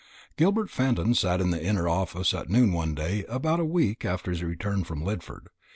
Gilbert Fenton sat in the inner office at noon one day about a week after his return from Lidford.